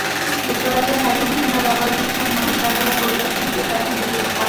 যুক্তরাজ্যের high commissioner Robert Gibson মাহীর কার্যালয় পরিদর্শনে গিয়ে তাঁর সঙ্গে বৈঠক করেন।